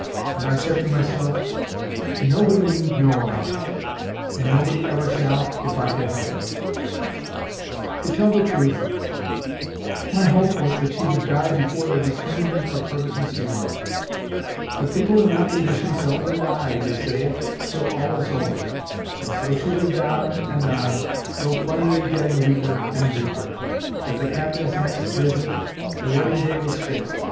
And I said to myself, "Nobody need ever know about it; and nobody ever shall if I can help it." To tell the truth, my hope was that she would die before there was any need for further concealment. "But people in that condition seldom die, they say, till all is over; and so she lived on and on, though plainly getting weaker and weaker.—At the captain's next visit, the wedding day was fixed.